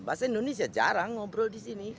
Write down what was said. bahasa indonesia jarang ngobrol di sini